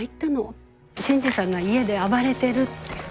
新次さんが家で暴れてるって。